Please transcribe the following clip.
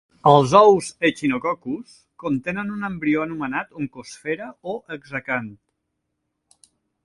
Els ous "Echinococcus" contenen un embrió anomenat oncosfera o hexacant.